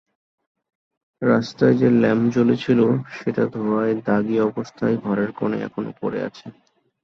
রাত্রে যে ল্যাম্প জ্বলেছিল সেটা ধোঁয়ায় দাগি অবস্থায় ঘরের কোণে এখনো পড়ে আছে।